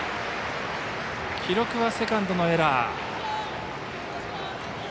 記録はセカンドのエラー。